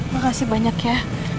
makasih banyak ya